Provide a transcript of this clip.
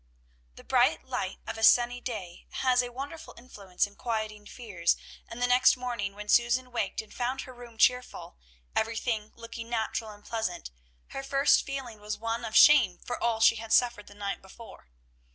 The bright light of a sunny day has a wonderful influence in quieting fears, and the next morning when Susan waked and found her room cheerful, everything looking natural and pleasant, her first feeling was one of shame for all she had suffered the night before.